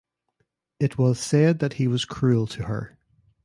It was said that he was cruel to her.